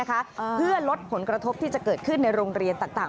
เพื่อลดผลกระทบที่จะเกิดขึ้นในโรงเรียนต่าง